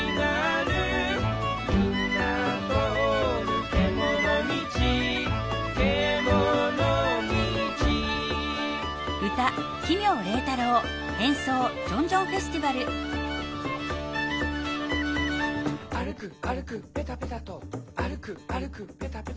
「みんなとおるけものみち」「けものみち」「あるくあるくぺたぺたと」「あるくあるくぺたぺたと」